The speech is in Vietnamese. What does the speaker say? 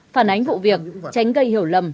phản ánh vụ việc tránh gây hiểu lầm